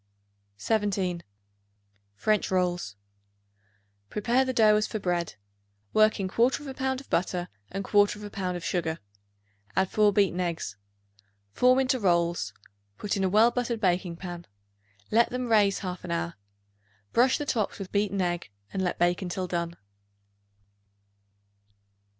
17. French Rolls. Prepare the dough as for bread. Work in 1/4 pound of butter and 1/4 pound of sugar. Add 4 beaten eggs; form into rolls; put in a well buttered baking pan; let them raise half an hour. Brush the tops with beaten egg and let bake until done.